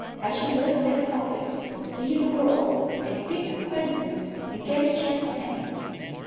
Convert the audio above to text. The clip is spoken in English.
I shall live at publics and see the world, and pick 'quaintance, and get a chance penny.'